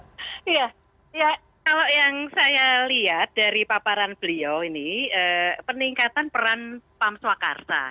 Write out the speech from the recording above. iya kalau yang saya lihat dari paparan beliau ini peningkatan peran pam swakarsa